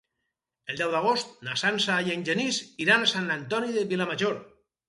El deu d'agost na Sança i en Genís iran a Sant Antoni de Vilamajor.